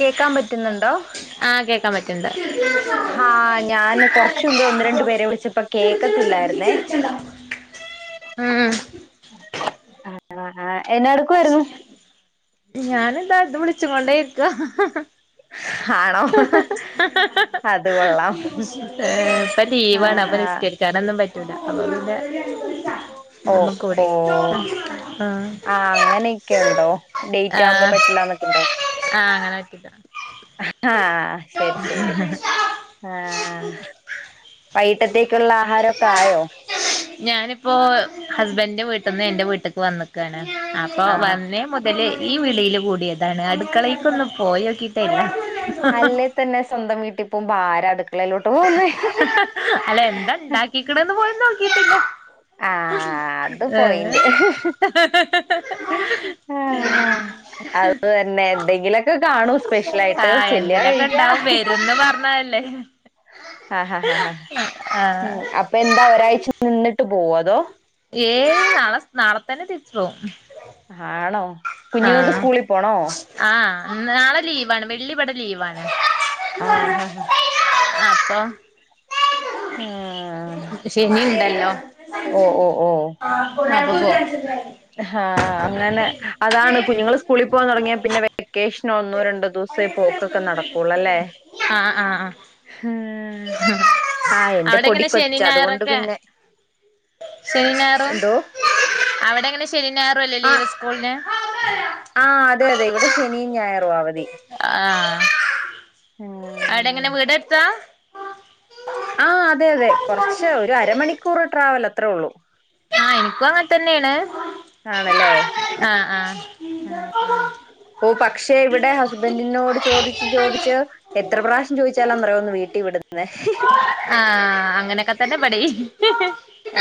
കേക്കാൻ പറ്റുന്നുണ്ടോ ആ കേക്കാൻ പറ്റണ്ട് ഹാ ഞാന് കൊറച്ച് മുമ്പേ ഒന്ന് രണ്ടു പേരെ വിളിച്ചപ്പോ കേക്കത്തില്ലായിരുന്നേ ഊം ആ ആ എന്നാ എടുക്കുവായിരുന്നു ഞാൻ എന്താ ഇത് വിളിച്ച് കൊണ്ടേരിക്ക ആണോ അത് കൊള്ളാം ഇപ്പ ലീവാണ് അപ്പൊ നിസ്കരിക്കാരൊന്നും പറ്റ് അത്കൊണ്ട് ഓ ഓ ആഹ് ആ അങ്ങനെയൊക്കെ ഉണ്ടോ ഡേറ്റ് ആവുമ്പോ ആഹ് പറ്റില്ലാന്നൊക്കെ ഉണ്ടോ [unintelligible] ആ ശരി ശരി ആ വൈകിട്ടത്തേ ക്കുള്ള ആഹാരൊക്കെ ആയോ ഞാനിപ്പോ ഹസ്ബൻന്റെ വീട്ട്ന്ന് എന്റെ വീട്ടിക്ക് വന്നക്കാണ് അപ്പൊ ആഹാ വന്നേ മുതല് ഈ വിളിയില് കൂട്യതാണ് അടുക്കളിക്കൊന്ന് പോയോക്കി അല്ലേ തന്നെ സ്വന്തം വീട്ടിൽ ഇപ്പാരടുക്ക അല്ല എന്താണ്ടാക്കീക്ക്ണേന്ന് പോലും നോക്കിട്ടില്ല ആ അത് ഏ പോയിന്റ് ആ അത് തന്നെ എന്തെങ്കിലൊക്കെ കാണൂ സ്പെഷ്യൽ ആ ആയിട്ട് ചെല്ലുക എന്തേലൊക്കെ കഴിക്കുക ഇണ്ടാവും വരുംന്ന് പറഞ്ഞ തല്ലേ ആ ഹാ ഹാ ആഹ് ഉം അപ്പന്താ ഒരാഴ്ച നിന്നിട്ട് പോവോ അതോ ഏയ് നാളെ സ് നാളെത്തന്നെ തിരിച്ചു പോവും ആണോ കുഞ്ഞുങ്ങൾക്ക് ആഹ് സ്കൂളിൽ പോണോ ആഹ് നാളെ ലീവാണ് വെള്ളി ഇവടെ ലീവാണ് ആ ഹാ ഹ അപ്പം ആഹ് ശനിണ്ടല്ലോ ആ കൊ [unintelligible] ഹാ അങ്ങനെ അതാണ് കുഞ്ഞുങ്ങള് സ്കൂളിൽ പോവാൻ തുടങ്ങിയ പിന്നെ വെക്കേഷൻ ഒന്നോ രണ്ടോ ദിവസേ പോക്കൊക്കെ നടക്കുള്ളല്ലേ ആഹ് ആഹ് ആഹ് ആ ആ എന്റെ അവിടെ എങ്ങനെ ശനി പൊടിക്കൊച്ചാ അതുകൊണ്ട് ഞായറൊക്കെ പിന്നെ ശനി ഞായറും എന്തോ അവിടെ എങ്ങനെ ശനി ഞായറും അല്ലെ ആഹ് ലീവ് സ്കൂളിന്? ആഹ് അതെ അതെ ഇവിടെ ശ- ശനീം ഞായറും ആ അവധി ആഹ് അവിടെ എങ്ങനെ വീട് അടുത്താ ആ അതെ അതെ കുറച്ച് ഒരു അരമണിക്കൂർ ട്രാവൽ അത്രേ ഉള്ളൂ ആ എനിക്കും അങ്ങനെ തന്നെയാണ് ആണല്ലേ ആഹ് ആഹ് ആ ഓ പക്ഷെ ഇവിടെ ഹസ്ബൻഡിനോട് ചോദിച്ചു ചോദിച്ച് എത്ര പ്രാവശ്യം ചോദിച്ചാല എന്നറിയാമോ ഒന്ന് വീട്ടിൽ വിടുന്നെ ആ അങ്ങനൊക്കെ തന്നെ പടിക്ക്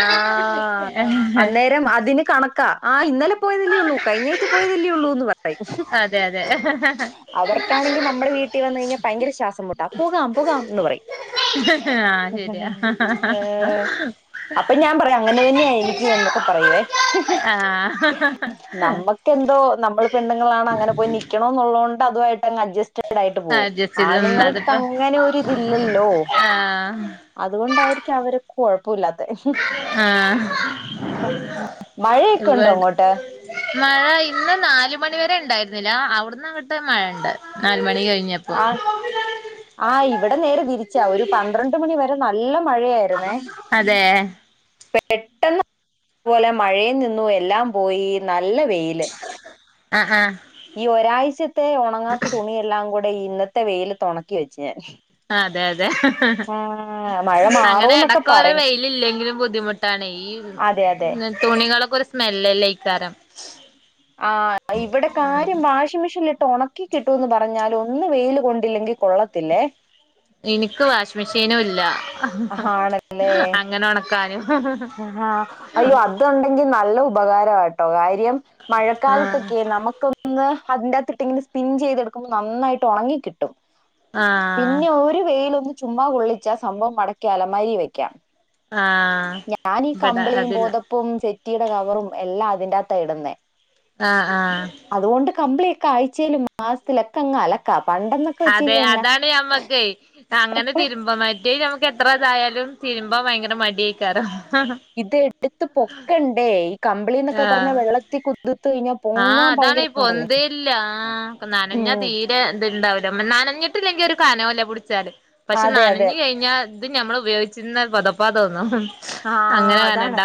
ആ.... അന്നേരം അതിന് കണക്കാ ആ- ഇന്നലെ പോയതല്ലേ ഉള്ളൂ കഴിഞ്ഞാഴ്ചഴ പോയതല്ലേ ഉള്ളൂന്ന് പറ അതെ അതെ അവർക്കാണെങ്കി നമ്മള് വീട്ടി വന്ന് കഴിഞ്ഞാ ഭയങ്കര ശ്വാസം മുട്ട ഡാ പോകാം പോകാം ആന്ന് പറയും ആ ശരിയാ ഏഹ് അപ്പൊ ഞാൻ പറയാ അങ്ങനെ തന്നെയ എനിക്കുന്നൊക്കെ പറയുവേ ആഹ് നമ്മക്കെന്തോ നമ്മൾ പെണ്ണുങ്ങളാണ് അങ്ങനെ പോയി നിക്കണോന്നുള്ള ഒണ്ട് അതു അ അങ്ങ് അഡ്ജസ്റ്റഡയിട്ട് പോവും അഡ്ജസ്റ്റ് ചെയ്ത് ആണുങ്ങൾക്ക് അതിപ്പോ അങ്ങനെ ഒരുതില്ലല്ലോ ആഹ് അതുകൊണ്ടായിരിക്കും അവര്- കുഴപ്പമില്ല ആഹ് മഴയൊക്കെ ഇവടെ ഉണ്ടോ അങ്ങോട്ട് മഴ ഇന്ന് നാല് മണി വരെ ഇണ്ടായിരുന്നില്ല അവിടുന്നങ്ങിട്ട് മഴ ഉണ്ട് നാല് മണി കഴി- ആ ആ ഇവിടെ നേരെ തിരിച്ച ഒരു പന്ത്രണ്ട് മണി വരെ- നല്ല മഴയായിരുന്നേ അതെ പെട്ടെന്ന് പോലെ മഴയും നിന്നു എല്ലാം പോയി ന നല്ല വെയില് ആ ആ ഈ ഒരാഴ്ചത്തെ ഉണങ്ങാത്ത തുണിയെല്ലാം കൂട- ഇന്നത്തെ വെയിലത്ത് ഉണക്കി വെച്ച് ഞാൻ അതെ അതെ ആ മഴ അങ്ങനെ മാറൂന്നൊക്കെ ഇടക്കോരോ പറയും വെയിലില്ലെങ്കിലും ബുദ്ധിമുട്ടാണ് ഈ അതെ അതെ തുണികളൊ- സ്മെല്ലെല്ലൈക്കാരം [inaudible] ആ ഇവിടെ കാര്യം വാഷിംഗ് മെഷീൻ ഇ- ഒണക്കി കിട്ടൂന്ന് പറഞ്ഞാലും ഒന്ന് വെയില് കൊണ്ടില്ലെങ്കിൽ കൊള്ളത്തില്ലേ എനിക്ക് വാഷിംഗ് മെഷീനും ഇല്ല അങ്ങനെ ഉണക്കാനും ആഹ അയ്യോ അത് ഉണ്ടെങ്കിൽ നല്ല- ഉപകാരവാ കേട്ടോ കാര്യം ആഹ് മഴക്കാലത്തൊക്കെ നമുക്കൊന്ന്- അതിന്റകത്തിട്ടിങ്ങനെ സ്പിൻ ചെയ്തെടുക്കുമ്പോ നന്നായിട്ട് ഉണങ്ങി കിട്ടും ആഹ് പിന്നെ ഒരു വെയിലൊന്ന് ചുമ്മാ കൊള്ളിച്ചാ സംഭവം മടക്കിയലമരി വെക്കാം ആഹ് ഞാനീ ഇബടെ കമ്പളിയും അതില്ല പോതപ്പും സെ- സെറ്റിയുടെ കവറും എല്ല ആഹ ആഹ കമ്പിളിയും ഒക്കെ ആഴ്ചയിലും മാസത്തിലൊക്കെങ്ങ് അലക്ക- അതെ അതാണ് ഞമ്മക്ക് അങ്ങനെ തിരുമ്പ മറ്റേ നമ്മക്ക്- എത്ര ഇത് ആയാലും തീരുമ്പോൾ ഭയങ്കര മടിയായി കര ഇത്എടുത്ത് പൊക്കണ്ടേ ഡി കമ്പളി എന്നൊക്കെ പറഞ്ഞാ ആഹ് വെള്ളത്തി കുതീർ- ആഹ് അതാണ് ഇ പൊന്തല്ല നനഞ്ഞാ ഉം തീരെ എതു ഇണ്ടാവല നനഞ്ഞിട്ടില്ലെങ്കിൽ ഒരു കാനോല്ലേ പിടിച്ചാല് പക്ഷെ അതെ അതെ നാനഞ്ഞ്ഞ കഴിഞ്ഞാ ഇത് ഞമ്മള്- ഉപയോഗിച്ചിുന്നാ പുതപ്പാ തോന്നുന്നു ആഹ അതാണ്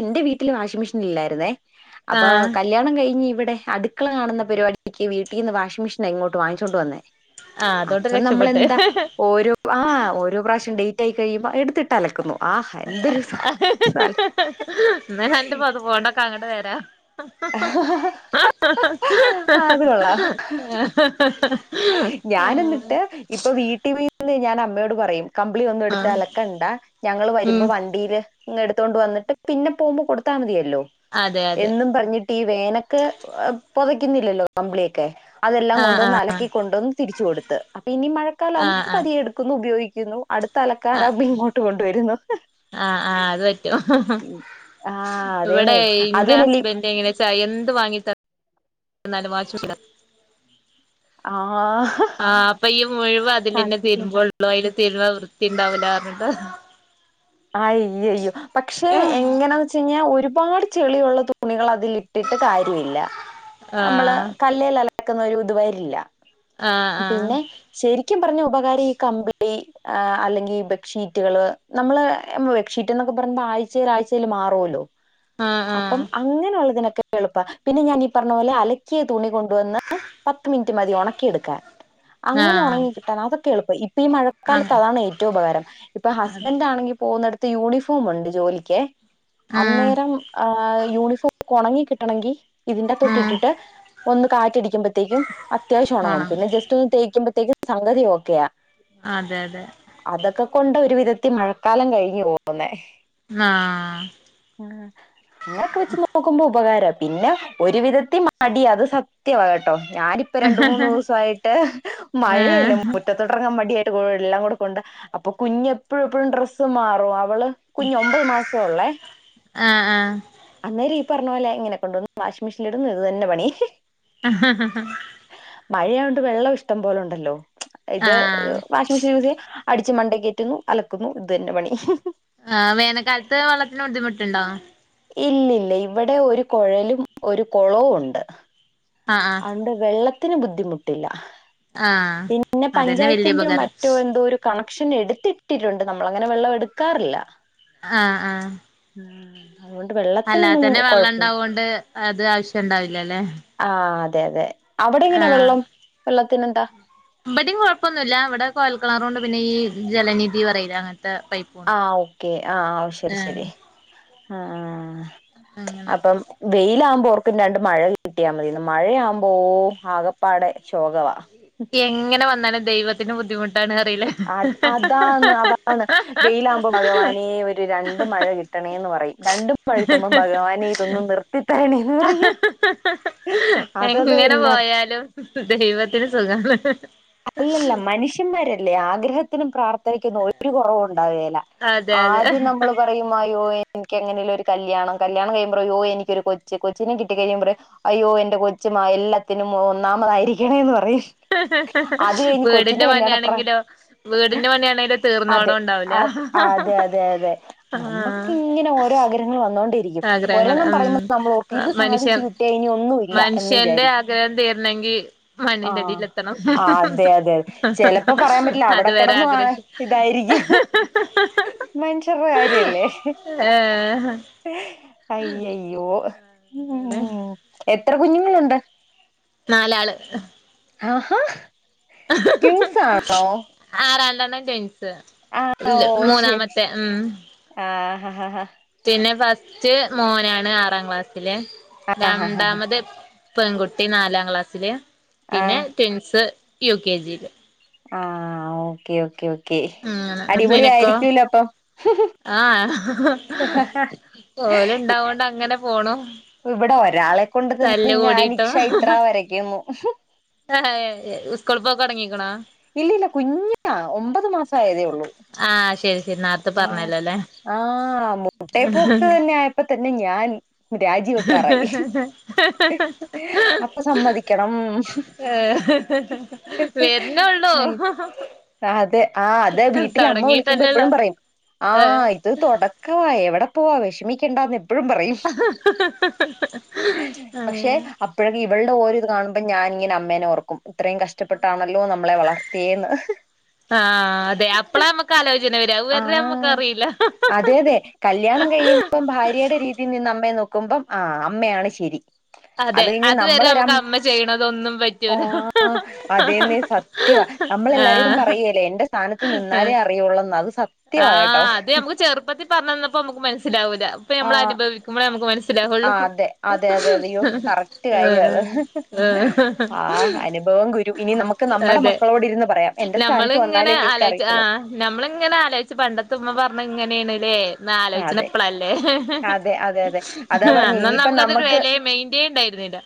എന്റെ വീട്ടിൽ വാഷി്മെഷൻ ഇല്ലായിുന്നേ അപ്പൊ ആഹ് കല്യാണം കഴിഞ്ഞ് ഇവിടെ അ അടുക്കള കാണുന്ന പരിപാടിക്ക് വീട്ടിൽ നിന്ന് വാഷിംഗ മെഷീൻ അങ്ങോട്ട് വാങ്ങിച്ചോണ്ടണ്ട് വന്നേ ആഹ് അതോണ്ട് അപ്പം രക്ഷപ്പെട്ട് നമ്മളെന്താ ഓരോ ആ ഓരോ പ്രാവശ്യം ഡയ്- കഴുമ്പോൾ എടുത്തിട്ട അലക്കുന്നു എന്തൊരു ഇന്നാരണ്ട് പൊതപ്പോണ്ടൊക്കങ്ങട്ട് വര് താ അത് കോള്ളാ ഞാന്എന്നിട്ട് ഇപ്പൊ വീട്ടിവി ഇന്ന് ഞാൻ അമ്മയോട് പറയും കമ്പിളി ഒന്നും ആഹ് എട്ത്തലക്കണ്ടാ ഞങ്ങള് ഉം വരുമ്പോ വണ്ടീല് എടുത്തോണ്ട് വന്ന്ട്ട് പിന്നെ പോകുബോ കൊടുത്താ മതിയെ ല്ലോ അതെ അതെ എന്നും പറഞ്ഞി വേനക്ക് പൊതയ്ക്കുന്നില്ലല്ലോ കമ്പിളിയൊക്കെ അതെല്ലാം ആഹ് കൊണ്ട് വന്ന് ആഹ് അലക്കി കൊണ്ടുവന്ന് തിരിച്ച് കൊടു ത് ഇനി മഴക്കാല അമ്പ് ആഹ് ആഹ് പ്പതിയെടുക്കുന്നു ദിതി ക്കുന്നു അടുത്ത ആഹ് അലക്കാരമ്പ ഇങ്ങോട്ടു കൊ വരുന്നു ആഹ് ആഹ് അത് പറ്റും ആ ഇവിടെ അതേന്നെ ഇന്റ അതിനല്ലേ ഹസ്ബൻഡ് ഇങ്ങനെ ചായ എന്ത് വാങ്ങിത ന്നാലും വാച്ചു ആഹ് ആഹ് അപ്പൊ ഈ മുയുവാതിലന്നെ സത്യം. തരുമ്പോള്ളൂ അയില് തരുണ വൃത്തി ഇണ്ടാവൂലാർഞ്ഞിട്ട് ആഹ് അയ്യോ അയ്യോ പക്ഷെ എങ്ങനാന്ന് വെച്ച് കഴിഞ്ഞാ ഒരു ഒരുപാട് ചെളിയുള്ള തുണികള അതിലിട്ടിട്ട് കാര്യമില്ല നമ്മള് ആഹ് കല്ലേല് അല ഇക്കുന്നൊരു ഇത് വരില്ല ആഹ് പിന്നെ ശരി ക്കും പറഞ്ഞ ഉപകാരം ഈ കമ്പിളി അല്ലെങ്കി ബെഡ്ഷീറ്റുകള് നമ്മള് ബെഡ്ഷീറ്റ് എന്നൊക്കെ പറുമ്പോ ആഴ്ചയിൽ ആഴ്ചയിൽ മാറുവല്ലോ അപ്പം ആഹ് അങ്ങനെയുള്ളതി എളുപ്പ പിന്നെ ഞാൻ ഈ പറഞ്ഞ പോലെ അലക്കിയ തുണി കൊണ്ട് കൊണ്ടുവന്ന് പത്ത് മിനിറ്റ് മതി ഒണക്കിയെടുക്കാൻ അങ്ങനെ ആഹ് ഒണങ്ങി കിട്ടാൻ അതൊ കേൾപ്പ ഇപ് പ്പ ഈ ആഹ് മഴക്കാലത്ത് അങ്ങനെ അതാണ് ഏറ്റവും ഉപകാരം ഇപ്പൊ അതെ ഹസ്ബൻഡ് ആണെങ്കി പോകുന്നടുത്ത് യൂണിഫോം ഉണ്ട് ജോലിക്കെ ആഹ് അന്നേരം ആ യൂണിഫോം ഒണങ്ങി കിട്ടണെങ്കി ഇതിന്റെ അകത്തുട്ട് ആഹ് ഇട്ടിട്ട് ഒന്ന് കാറ്റടി ക്കുമ്പത്തേക്കും അത്യാവശം ഒണങ്ങും പിന്നെ ജസ്റ്റ് ഒന്ന് തേക്കുമ്പ പ്രത്യേക സംഗതി ഓക്കെയാ അതെ അതെ അതൊക്കെ കൊണ്ട് ഒരു വിധത്തിൽ മഴ കാലം കഴിഞ്ഞു പോവൂന്നേ ആഹ് ആഹ് അങ്ങനൊക്കെ വെച്ച് നോക്കുമ്പോ ഉപകാര പിന്നെ ഒരു വിധത്തിൽ മടി അത് സത്യമാ കേട്ടോ ഞാനിപ്പ രണ്ട് മൂന്ന് ദിവസായിട്ട് ഏഹ് മഴയല്ലേ മുറ്റത്തോട്ടിറങ്ങാൻ മടിയായി ട്ട് [unintelligible] ഗോൾ ഇല്ലാം കൊടുക്കുണ്ടാ അപ്പൊ കുഞ്ഞെപ്പോഴും എപ്പോഴും ഡ്രസ് തു മാറോ അപ് ഓള് കുഞ് ഒൻപത് മാസൊള്ളെ ആഹ് ആഹ് അന്നേര് പർന്നോലെ ഇങ്ങനെ കൊണ്ടോന്ന് വാഷ്മിഷീലിടുന്നഇത് തന്നെ പണി മഴയോണ്ട് വെള്ളം ഇഷ്ടം പോലു ണ്ടല്ലോ ഇത് ഹ് ഹ് ആഹ് വാഷിംഗ് മിഷീൻ ൽ അടി ച് മണ്ടേ കേറ്റ്ന്നു അലക്കുന്നു ഇതന്നെ പണി ആ വേനക്കാൽത്ത് വള്ളത്തിന് ദ്ധിമുട്ടുണ്ടോ ഇല്ല്യല്ല ഇവടെ ഒരു കൊഴലും ഒരു കുളവും ഉണ്ട് ആഹ് ആഹ് അണ്ട് വെള്ളം ത്തിന് ബുദ്ധിമുട്ടില്ല- ആഹ് അതന്നെ വല്യ പിന്നപഞ്ചായത്തിന്റെ ഉപകാരം മററ്റെന്തോരു കളം ക്ഷന് എടുത്തിട്ടിട്ടുണ്ട് നമ്മള അങ്ങനെ വെള്ളമെടുക്കാറില്ല ആ ആ ഹ്മ് അതുകൊണ്ട് വെള്ളത്തിനൊന്നും തന്നെ വെള്ളം കൊഴപ്പമില്ല ഉണ്ടാവോണ്ട് അത് ആവശ്യംണ്ടാവില്ലലെ ആ അതെ അതെ അവടെങ്ങനെ ആഹ് വെള്ളം വെള്ളം പിന്നെന്താ ഇബടിം കൊഴപ്പൊന്നുല്ല വടെ കുഴൽ കിണറു ഉണ്ട്‌ പിന്നെ ഈ ജലനിധി പറയില്ല അ ആഹ് ഓക്കെ ആ ആ ശരി ആഹ് ശരി അ അ ആ ആ അങ്ങനെ അപ്പം വെയിലാകുമ്പോ ഓർക്കും രണ്ട് മഴ കിട്ടിയാ മതിന്ന് മഴയാവുമ്പോ ഓ ആകപ്പാടെ ശോകവാ എങ്ങന വ ഇന്നലെ ദൈത്തിന്റെ ബുദ്ധിമുട്ട് ആത് അതാണ് അതാണ് വെയിലാമ്പോ ഭഗവാനെ ഒരു രണ്ട് മഴ കിട്ടണേന്ന് പറയും രണ്ട് മഴ ഹിഹി കിട്ടുമ്പോ ഹിഹി ഭഗവാനെ ഇതൊന്ന് നിർത്തിത്തരണേന്ന് പറയും അതത് എങ്ങനെ എല്ലാ പോയാലും ദൈവത്തിന് സുഖാണ്, ഹിഹിഹി അല്ലല്ല മനുഷ്യന്മാര് ഇല്ല്യ ആഗ്രഹത്തിനും പ്രാർത്ഥനക്കൊന്നും ഒരു കൊറവും ണ്ടാവേല അതെ അതെ ആദ്യം നമ്മള് പറയുമായോ എൻക്ക് എങ്ങനെലൊരു കല്യാണം കല്യാണം കഴിയുമ്പോറോയോ രു എനിക്കൊരു കൊച്ച് കൊച്ചിനെ കിട്ടി കഴിയുമ്പറി അയ്യോ എന്റെ കൊച്ചു മാ എല്ലാ ത്തിനും മൊ ഒന്നാമതാ യിരിക്കണേന്ന് പറയും അത് കഴിഞ്ഞ് വീടിന്റെ കൊച്ചിന്റെ കല്യാണപ്രാ പണിയാണെങ്കിലോ വീടിന്റെ പണിയാണെങ്കിലോ അതെ തീർന്നോടം ഉണ്ടാവൂല അതെ അതെ അതെ ആഹ് നമ്മക്ക്ങ്ങനെ ഓരോ ആഗ്രഹങ്ങള് വന്ന് ആഗ്രഹങ്ങൾ ഉം ഇത് സാധിച്ചു മനുഷ്യൻ കിട്ടിയാ ഇനി ഒന്നുമില്ല എന്ന് മനുഷ്യന്റെ വിചാരിക്കും ആഗ്രഹം തീരണെങ്കി മണ്ണിന്റടീലെത്തണം. ആഹ് അതെ അതെ ചെലപ്പോ പറയാൻ പറ്റില്ല അവിടെ അതുവരെ കെടന്നും ആഹ് ആഗ്രഹിച്ച് ഇതായിരിക്കും മനുഷ്യര്ടെ കാര്യല്ലേ ഏഹ് അയ്യയ്യോ ഉം [unintelligible] എത്ര കുഞ്ഞുങ്ങളുണ്ട്? നാലാള് ആഹാ ട്വിൻസ് ആണോ ആ രൺ രണ്ടെണ്ണം ട്വിൻസ് സ് ഓ ഇൽ ശരി മൂന്നാമത്തെ ഉം ആഹ് ഹ് പിന്നെ ഫസ്റ്റ് മോനാണ് ആറാം ക്ലാ സില് ആഹ് രണ്ടാമത് പെങ്കുട്ടി നാലാം ക്ലാസ്സില് പിന്നെ ആഹ് ട്വിൻസ് യു കെ ജീല് ആഹ് ഓക്കേ ഓക്കേ ഓ ക്കെ അടിപൊളി ആയിരിക്കൂലോ അപ്പം ആ ഓല്ണ്ടാവോണ്ടങ്ങനെ പോണു ഇവിടെ ഒരാളെ കൊണ്ട് തന്നെ തല്ല് ഞാൻ കൂടിട്ടോ ഇക്ഷ ഇത്ര വരയ്ക്കുന്നു അതെ അതെ സ്ക്കോൾപൊക്കോടങ്ങീക്കണോ? [unintelligible] ഇല്ല ഇല്ല കുഞ്ഞാ ഒമ്പത് മാസായതേ ഉള്ളൂ. [unintelligible] ആ അല്ലേ ആഹ് മുട്ടേപോക്ക് തന്നെ ആയപ്പോ തന്നെ ഞാൻ രാജിവെക്കാറായി അപ്പൊ ഏ വെര്ണൊള്ളു സമ്മതിക്കണം അതെ ആ അത് വീട്ടിൽ അമ്മ വിളിക്കുമ്പോ തൊടങ്ങീട്ടല്ലുള്ളു എപ്പഴും പറയും ആ ഇത് തൊടക്കവ എവടെ പോവാ വിഷമിക്കേണ്ടാന്നെ പ്പഴും പറയും പക്ഷെ അപ്പോഴ ഇവൾടെ ഓരത് കാണുമ്പോ അപ്പ ഞാനിങ്ങനെ അമ്മേനെ ഓർക്കും ഇത്രേം കഷ്ടപ്പെട്ടാണല്ലോ നമ്മളെ വളർത്തിയേന്ന് ചന വരാ അത് ആ വരെ ഞമ്മക്കറീല അതെ അതെ കല്യാണം കുമ്പം ആ അമ്മയാണ് ശരി അത് അതെ കഴിഞ് അതുവരെ നമുക്ക് നമ്മളൊരമ് അമ്മ ചെയ്യണതൊന്നും പറ്റൂല അതേന്ന സത്യവാ നമ്മളെല്ലാരോടും ആഹ് പറയേല്ലേ എന്റെ സ്ഥാനത്ത് നിന്നാലേ അറിയൊള്ളന്ന് അത് സത്യവാ കേട്ടോ ആഹ് അത് നമുക്ക് ചെറുപ്പത്തി പറഞ്ഞു തന്നപ്പോ നമുക്ക് മനസ സ്സിലാവൂല അപ്പ ആ നമ്മള് അനുഭവിക്കുമ്പളേ നമ്മക്ക് ആ മനസിലാവുള്ളു അതെ അതെ അതെ അതെ അയ്യോ കറക്റ്റ് കാര്യവാ അത് അഹ് ആഹ് അനുഭവം ഗുരു ഇനി നമുക്ക് ആ നമ്മുടെ അതെ മക്കളോട് ഇരുന്ന് പറയാം എന്റെ സ്ഥാനത്ത് നമ്മൾങ്ങനെ വന്നാലേ നിനക്ക് ആലോയ്ച് ആ അറിയത്തുള്ളൂ നമ്മളിങ്ങനെ [unintelligible] ഉമ്മ പറഞ്ഞ ഇങ്ങനെയാണ്ല്ലേ ന്ന് ആലോചിച്ചണ അതെ, ഇപ്പളല്ലേ അതെ, അതെ, അതെ. അതാ പറഞ് അന്നൊന്നും ഇനിയിപ്പ നമുക്കതൊരു നമക്ക് വെലേ മൈൻഡേ ഉണ്ടായിരുന്നില്ല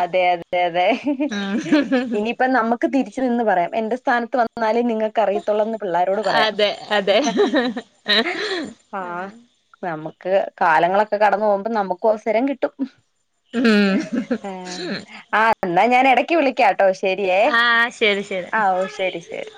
അതെ, അതെ, അതെ ഉം ഇനിയിപ്പ നമക്ക് തിരിച്ച് നിന്ന് പറയാം എന്റെ സ് ഥാനത്ത് വ [unintelligible] ന്നാലേ നിങ്ങക്ക് അറിയത്തുള്ളൂന്ന് പിള്ളാരോട് പറയാം. അതെ ആ. ആഹ് നമുക്ക് കാലങ്ങളൊക്കെ കടന്നു പോവുമ്പ നമുക്കു അവസരം കിട്ടും. ഏ, ഉം. എന്നാ ഞാൻ എടക്ക് വിളിക്കാം. ഓ ശെരിയേ, ആ ശരി ശരി ആ ഓ ശരി, ശരി.